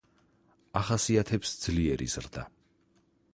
ახასიათებს ძლიერი ზრდა.